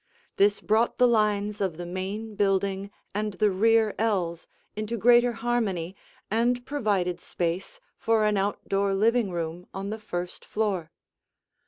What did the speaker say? This brought the lines of the main building and the rear ells into greater harmony and provided space for an outdoor living room on the first floor.